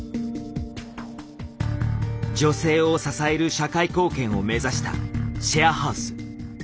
女性を支える社会貢献を目指したシェアハウス。